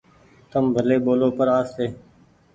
تم ڀلي ٻولو پر آستي۔